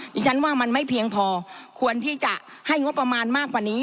ดิฉันว่ามันไม่เพียงพอควรที่จะให้งบประมาณมากกว่านี้